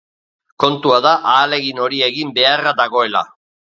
Kontua da ahalegin hori egin beharra dagoela.